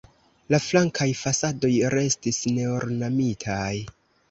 La flankaj fasadoj restis neornamitaj.